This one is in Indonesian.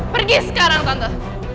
pergi sekarang tante